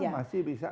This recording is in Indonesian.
ya masih bisa